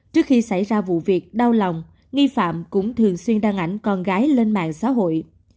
trước khi xảy ra vụ việc đau lòng nghi phạm cũng thường xuyên đăng ảnh con gái lên mạng xã hội